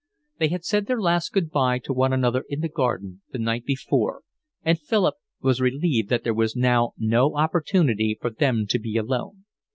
They had said their last good bye to one another in the garden the night before, and Philip was relieved that there was now no opportunity for them to be alone.